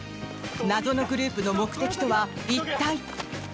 謎のグループの目的とは一体。